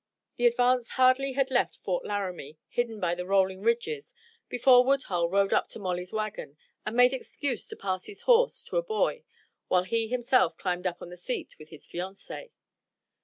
The advance hardly had left Fort Laramie hidden by the rolling ridges before Woodhull rode up to Molly's wagon and made excuse to pass his horse to a boy while he himself climbed up on the seat with his fiancée.